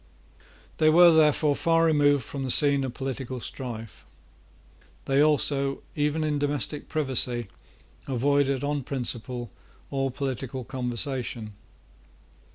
They were, therefore, far removed from the scene of political strife. They also, even in domestic privacy, avoided on principle all political conversation.